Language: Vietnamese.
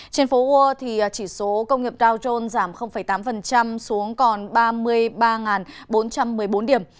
trên phố world chỉ số công nghiệp dow jones giảm tám xuống còn ba mươi ba bốn trăm một mươi bốn điểm